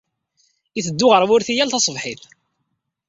Yetteddu ɣer wurti yal taṣebḥit.